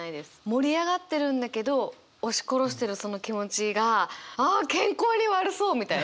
盛り上がってるんだけど押し殺してるその気持ちがあ健康に悪そうみたいな。